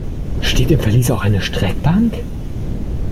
Steht im Verlies auch eine Streckbank?